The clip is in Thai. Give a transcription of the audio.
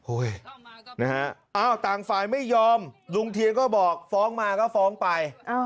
นะฮะอ้าวต่างฝ่ายไม่ยอมลุงเทียนก็บอกฟ้องมาก็ฟ้องไป